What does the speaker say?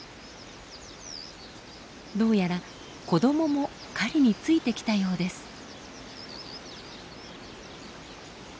どうやら子どもも狩りについてきたようです。